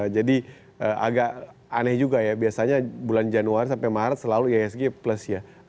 jadi agak aneh juga ya biasanya bulan januari sampai maret selalu ihsg plus ya